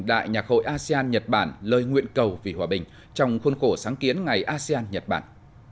đại nhạc hội asean nhật bản lời nguyện cầu vì hòa bình trong khuôn khổ sáng kiến ngày asean nhật bản